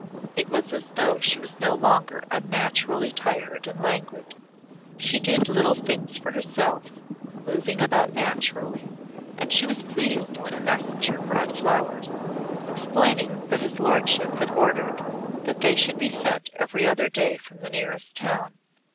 It was as though she was no longer unnaturally tired and languid. She did little things for herself, moving about naturally, and she was pleased when a messenger brought flowers, explaining that his lordship had ordered that they should be sent every other day from the nearest town.